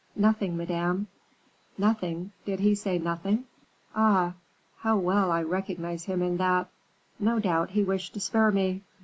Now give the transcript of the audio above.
"Nothing, Madame." "Nothing! Did he say nothing? Ah! how well I recognize him in that." "No doubt he wished to spare me."